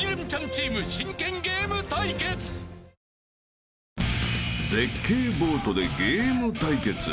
はぁ［絶景ボートでゲーム対決